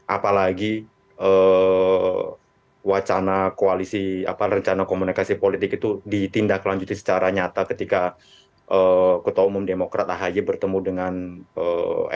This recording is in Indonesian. apalagi wacana koalisi apa rencana komunikasi politik itu ditindak lanjut secara nyata ketika ketua umum demokrat ahae bertemu dengan demokrat